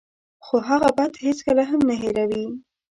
خو هغه بد هېڅکله هم نه هیروي.